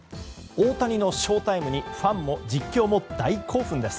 大谷のショータイムにファンも実況も大興奮です。